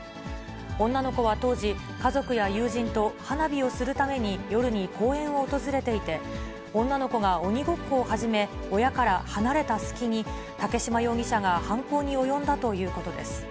女の子は当時、家族や友人と、花火をするために夜に公園を訪れていて、女の子が鬼ごっこを始め、親から離れた隙に、竹嶋容疑者が犯行に及んだということです。